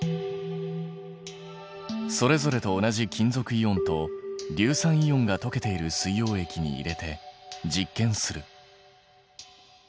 それぞれと同じ金属イオンと硫酸イオンが溶けている水溶液に入れて実験する。